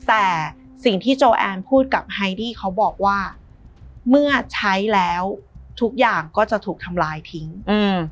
แต่สิ่งที่โจแอนพูดกับไฮดี้เขาบอกว่าเมื่อใช้แล้วทุกอย่างก็จะถูกทำลายทิ้งอืม